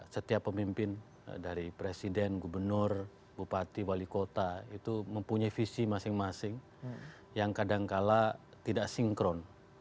setiap pemimpin dari presiden gubernur bupati wali kota itu mempunyai visi masing masing yang kadangkala tidak sinkron